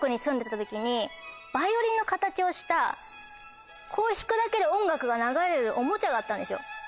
バイオリンの形をしたこう弾くだけで音楽が流れるおもちゃがあったんですよ。